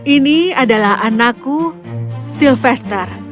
ini adalah anakku sylvester